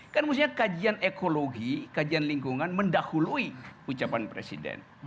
kan mestinya kajian ekologi kajian lingkungan mendahului ucapan presiden